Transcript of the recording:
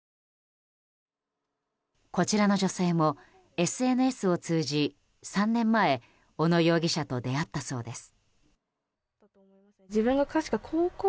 こちらの女性もＳＮＳを通じ３年前小野容疑者と出会ったそうです。